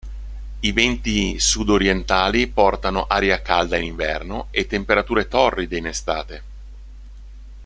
I venti sud-orientali portano aria calda in inverno e temperature torride in estate.